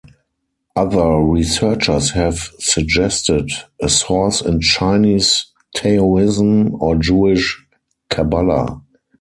Other researchers have suggested a source in Chinese Taoism or Jewish kabbala.